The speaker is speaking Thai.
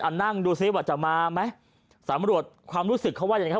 นั่งดูซิว่าจะมาไหมสำรวจความรู้สึกเขาว่ายังไง